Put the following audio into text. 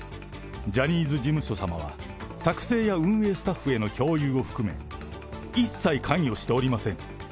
ジャニーズ事務所様は、作成や運営スタッフへの共有を含め、一切関与しておりません。